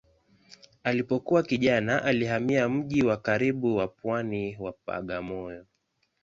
Alipokuwa kijana alihamia mji wa karibu wa pwani wa Bagamoyo.